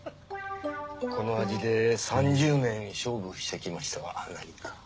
この味で３０年勝負してきましたが何か？